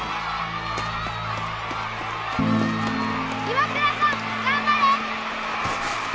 岩倉さん頑張れ！